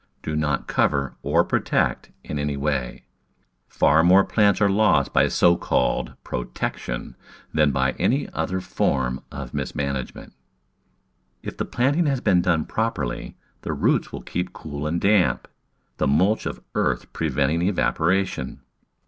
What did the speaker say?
Do not cover or protect in any way; far Digitized by Google Seven] Ctattflplattttttg 55 more plants are lost by so called protection than by any other form of mismanagement. If the planting has been done properly the roots will keep cool and damp— the mulch of earth preventing evapora tion.